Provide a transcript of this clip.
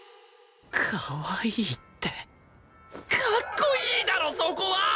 「かわいい」って「かっこいい」だろそこは！